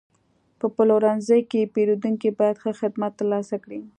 په پلورنځي کې پیرودونکي باید ښه خدمت ترلاسه کړي.